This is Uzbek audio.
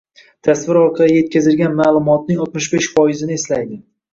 tasvir orqali yetkazilgan ma’lumotning oltmish besh foizini eslaydi.